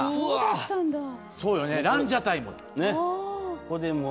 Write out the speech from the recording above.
そうよな、ランジャタイも。